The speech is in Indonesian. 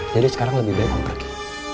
jadi sekarang lebih baik om pergi